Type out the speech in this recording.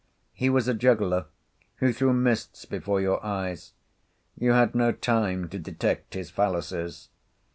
He was a juggler, who threw mists before your eyes—you had no time to detect his fallacies.